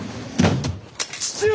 父上！